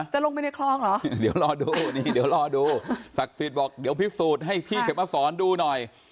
จะลงไปในครองเหรอ